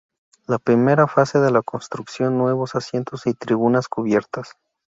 La primera fase de la construcción nuevos asientos y tribunas cubiertas.